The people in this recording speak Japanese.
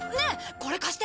これ貸して。